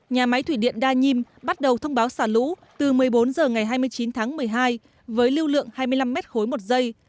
nhà máy thủy điện đa nhiêm bắt đầu thông báo xả lũ từ một mươi bốn h ngày hai mươi chín tháng một mươi hai với lưu lượng hai mươi năm m ba một giây